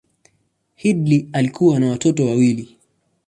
Headlee alikuwa na watoto wawili.